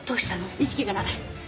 意識がない。